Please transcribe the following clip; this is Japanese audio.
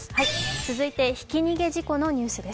続いてはひき逃げ事故のニュースです。